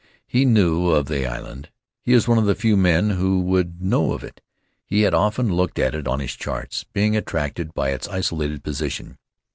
He knew of the island. He is one of the few men who would know of it. He had often looked at it on his charts, being attracted by its isolated position.